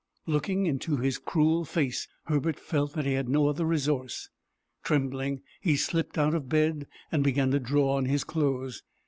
Looking into his cruel face, Herbert felt that he had no other resource. Trembling, he slipped out of bed, and began to draw on his clothes.